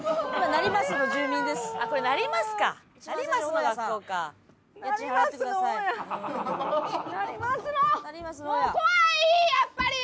成増のもう怖いやっぱり！